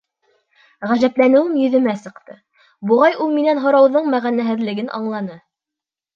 Ғәжәпләнеүем йөҙөмә сыҡты, буғай, ул минән һорауҙың мәғәнәһеҙлеген аңланы.